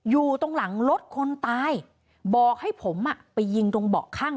อยู่ตรงหลังรถคนตายบอกให้ผมอ่ะไปยิงตรงเบาะข้าง